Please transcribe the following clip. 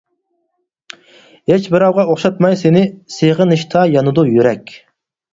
ھېچ بىراۋغا ئوخشاتماي سېنى، سېغىنىشتا يانىدۇ يۈرەك.